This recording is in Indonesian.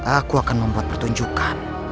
aku akan membuat pertunjukan